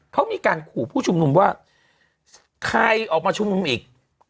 เขามีการขู่ผู้ชุมนุมว่าใครออกมาชุมนุมอีก